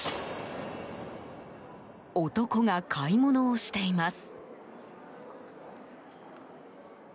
男が買い物をしています。